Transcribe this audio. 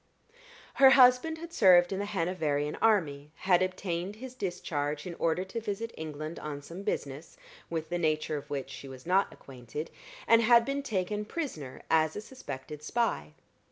Her husband had served in the Hanoverian army, had obtained his discharge in order to visit England on some business, with the nature of which she was not acquainted, and had been taken prisoner as a suspected spy.